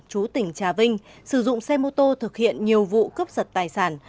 chú tỉnh trà vinh sử dụng xe mô tô thực hiện nhiều vụ cướp giật tài sản